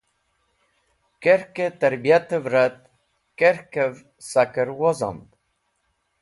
Kerk-e tarbiyatev rat, kerkev saker wozomd.